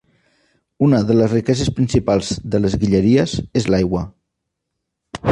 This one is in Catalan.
Una de les riqueses principals de les Guilleries és l'aigua.